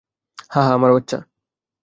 হ্যাঁঁ আমার বাচ্চা।